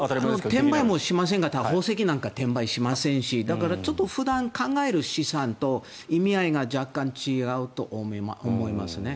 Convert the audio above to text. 転売なんかできませんが宝石なんか転売しませんしだから普段考える資産と意味合いが若干違うと思いますね。